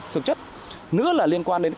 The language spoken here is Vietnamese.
thực chất nữa là liên quan đến